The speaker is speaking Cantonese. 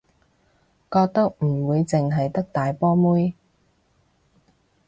覺得唔會淨係得大波妹